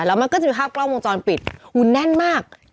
แล้วมันก็จะมีภาพกล้องวงจรปิดหูแน่นมาก